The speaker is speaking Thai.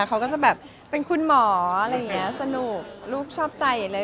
เขาก็จะแบบเป็นคุณหมออะไรอย่างนี้สนุกลูกชอบใจเลย